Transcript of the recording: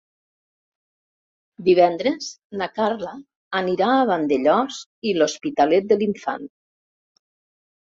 Divendres na Carla anirà a Vandellòs i l'Hospitalet de l'Infant.